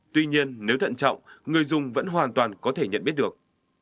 tuy nhiên nếu thận trọng người dùng vẫn hoàn toàn có thể nhận biết được